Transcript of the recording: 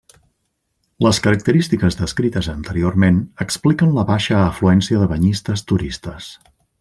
Les característiques descrites anteriorment expliquen la baixa afluència de banyistes turistes.